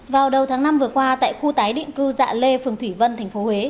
vào đầu tháng năm vừa qua tại khu tái định cư dạ lê phường thủy vân thành phố huế